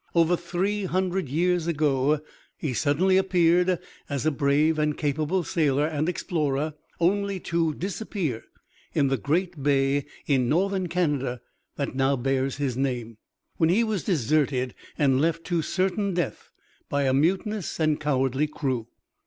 Over three hundred years ago he suddenly appeared as a brave and capable sailor and explorer, only to disappear in the great bay in northern Canada that now bears his name, when he was deserted and left to certain death by a mutinous and cowardly crew.